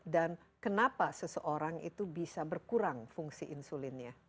dan kenapa seseorang itu bisa berkurang fungsi insulinnya